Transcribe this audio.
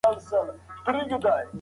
د هېوادونو ترمنځ همکاري زیاتوي.